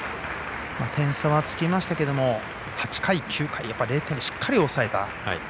点差はつきましたけど８回、９回０点にしっかり抑えた。